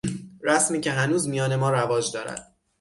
رسمی که هنوز میان ما رواج دارد